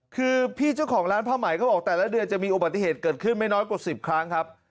คือพี่เจ้าของร้านผ้าไหมเขาบอกแต่ละเดือนจะมีอุบัติเหตุเกิดขึ้นไม่น้อยกว่า๑๐ครั้งครับ